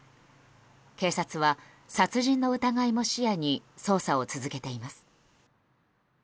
警察は殺人の疑いも視野に捜査を続けています。